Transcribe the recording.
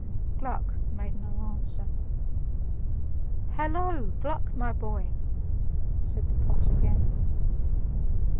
Gluck made no answer. "Hollo! Gluck, my boy," said the pot again.